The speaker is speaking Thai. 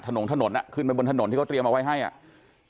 ถนนถนนอ่ะขึ้นไปบนถนนที่เขาเตรียมเอาไว้ให้อ่ะ